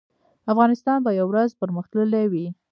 افغانستان به یو ورځ پرمختللی وي